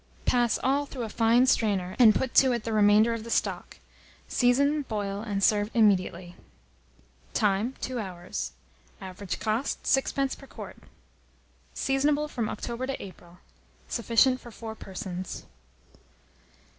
Pass all through a fine strainer, and put to it the remainder of the stock. Season, boil, and serve immediately. Time. 2 hours. Average cost, 6d. per quart. Seasonable from October to April. Sufficient for 4 persons.